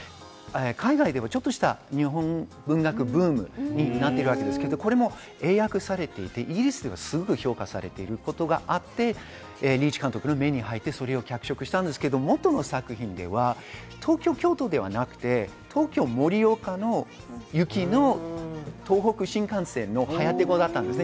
海外ではちょっとした日本文学ブームになっていますが、これも英訳されていて、イギリスではすごく評価されていることがあって、リーチ監督の目に入って、それを脚色したんですが元の作品では東京−京都ではなくて、東京−盛岡の東北新幹線のはやて号だったんです。